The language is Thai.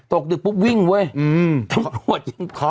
ตกดึกปุ๊บวิ่งเว่ยอือทำรวจยังโป๊ะ